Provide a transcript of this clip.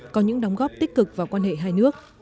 có những đóng góp tích cực vào quan hệ hai nước